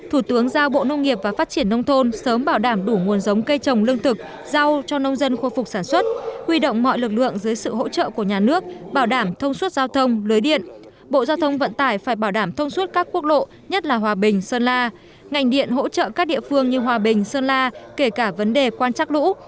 hòa bình sơn la ngành điện hỗ trợ các địa phương như hòa bình sơn la kể cả vấn đề quan trắc lũ